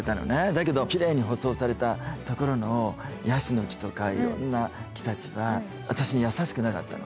だけどキレイに舗装された所のヤシの木とかいろんな木たちは私に優しくなかったの。